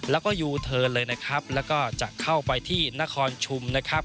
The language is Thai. แล้วก็ยูเทิร์นเลยนะครับแล้วก็จะเข้าไปที่นครชุมนะครับ